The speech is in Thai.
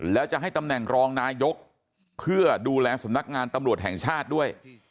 แล้วจะให้ตำแหน่งรองนายกเพื่อดูแลสำนักงานตำรวจแห่งชาติด้วย